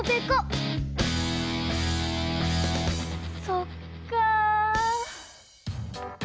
そっか。